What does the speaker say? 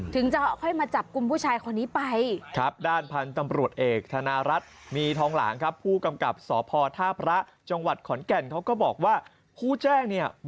ถึงจะค่อยมาจับกลุ่มผู้ชายคนนี้ไป